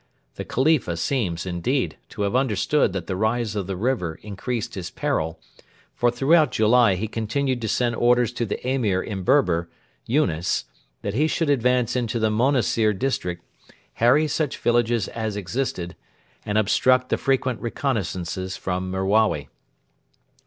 The Khalifa seems, indeed, to have understood that the rise of the river increased his peril, for throughout July he continued to send orders to the Emir in Berber Yunes that he should advance into the Monassir district, harry such villages as existed, and obstruct the frequent reconnaissances from Merawi.